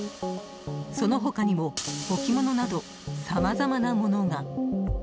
その他にも、置き物などさまざまなものが。